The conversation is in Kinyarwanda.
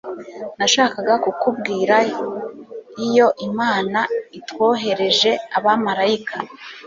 Nashakaga kukubwiraIyo Imana itwohereje abamarayika